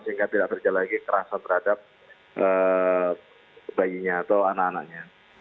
sehingga tidak terjadi lagi kerasa terhadap bayinya atau anak anaknya